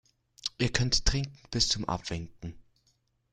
Ihr könnt trinken bis zum Abwinken.